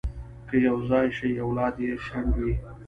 که یو ځای شي، اولاد یې شنډ وي.